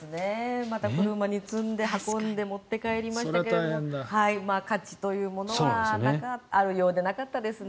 車に積んで運んで持って帰りましたけど価値というものはあるようでなかったですね。